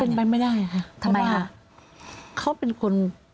เป็นไปไม่ได้ค่ะเพราะว่าเขาเป็นคน